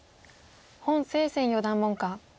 洪清泉四段門下。